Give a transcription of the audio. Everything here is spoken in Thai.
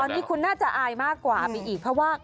แต่ตอนนี้คุณน่าจะอายมากกว่าปีอีกเพราะว่้า